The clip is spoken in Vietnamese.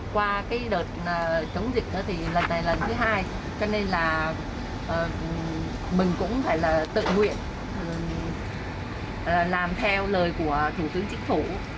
qua cái đợt chống dịch thì lần này là lần thứ hai cho nên là mình cũng phải là tự nguyện làm theo lời của thủ tướng chính phủ